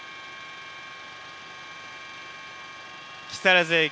木更津駅